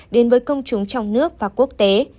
đến với công chúng trong nước và quốc tế